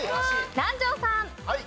南條さん。